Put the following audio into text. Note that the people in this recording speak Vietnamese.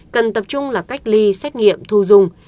cần tập trung là cách ly xét nghiệm thu dung